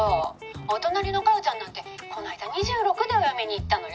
お隣のカヨちゃんなんてこの間２６でお嫁に行ったのよ」